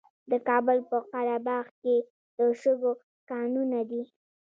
د کابل په قره باغ کې د شګو کانونه دي.